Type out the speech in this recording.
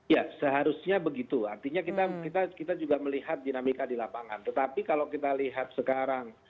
ya seharusnya begitu artinya kita juga melihat dinamika di lapangan tetapi kalau kita lihat sekarang